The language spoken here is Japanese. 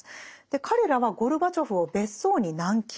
彼らはゴルバチョフを別荘に軟禁。